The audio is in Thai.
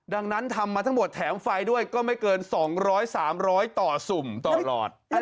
ดังนั้นทำมาทั้งหมดแถมไฟด้วยก็ไม่เกิน๒๐๐๓๐๐ต่อสุ่มตลอด